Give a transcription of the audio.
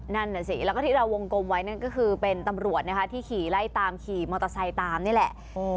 แล้วก็ที่เราวงกลมไว้ก็คือเป็นตำรวจที่ขี่ไล่ตามขี่มอเตอร์ไซต์ตามนี่แหละ